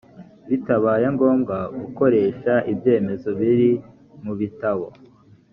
bitabaye ngombwa gukoresha ibyemezo biri mu bitabo